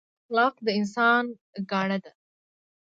اخلاق د انسان ګاڼه ده